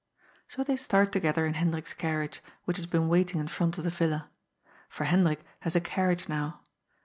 So they start together in Hendrik's carriage, which has been waiting in front of the villa. For Hendrik has a car riage now.